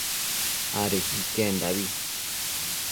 adequi iquendabi